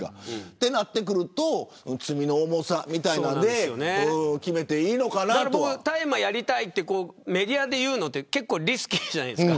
そうなってくると罪の重さみたいなので大麻をやりたいとかメディアで言うのって結構リスキーじゃないですか。